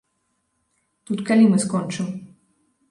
Тут калі мы скончым?